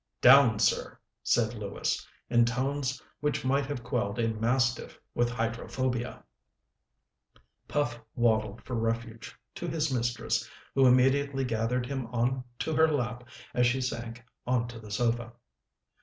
"Down, sir!" said Lewis, in tones which might have quelled a mastiff with hydrophobia. Puff waddled for refuge to his mistress, who immediately gathered him on to her lap as she sank on to the sofa.